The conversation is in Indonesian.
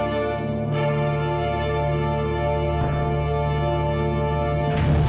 selamat ya kak